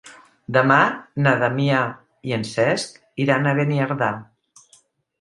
Demà na Damià i en Cesc iran a Beniardà.